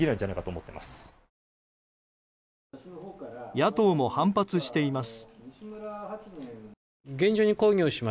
野党も反発しています。